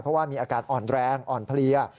เพราะว่ามีอาการอ่อนแรงอ่อนเพลีย